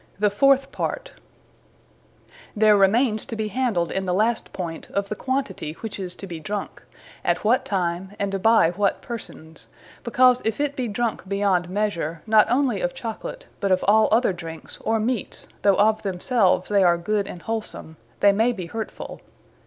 The fourth Part. There remaines to be handled in the last Point, of the Quantity, which is to be drunke: at what Time; and by what persons: because if it be drunk beyond measure, not onely of Chocolate, but of all other drinkes, or meates, though of themselves they are good and wholsome, they may be hurtfull.